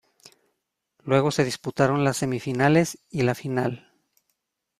Luego se disputaron las Semifinales y la Final.